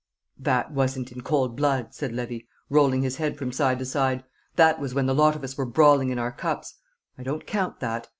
"That wasn't in cold blood," said Levy, rolling his head from side to side; "that was when the lot of us were brawling in our cups. I don't count that.